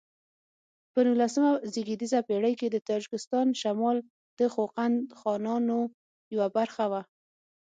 په نولسمه زېږدیزه پیړۍ کې د تاجکستان شمال د خوقند خانانو یوه برخه و.